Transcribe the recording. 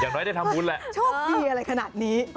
น้อยได้ทำบุญแหละโชคดีอะไรขนาดนี้